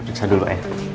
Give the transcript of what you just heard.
periksa dulu pak